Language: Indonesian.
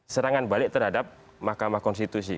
serangan balik terhadap mahkamah konstitusi